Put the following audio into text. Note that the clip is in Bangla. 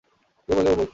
কেউ বলে, ও বৌ, একি?